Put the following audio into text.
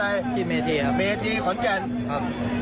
พ่อพี่ผมเป็นตัวประกันนะ